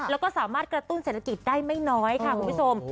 แล้วก็สามารถกระตุ้นเศรษฐกิจได้ไม่น้อยค่ะคุณผู้ชม